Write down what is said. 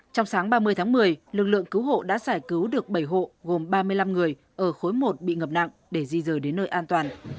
trong sáng ba mươi tháng một mươi lực lượng cứu hộ đã giải cứu được bảy hộ gồm ba mươi năm người ở khối một bị ngập nặng để di rời đến nơi an toàn